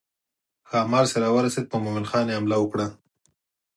ښامار چې راورسېد پر مومن خان یې حمله وکړه.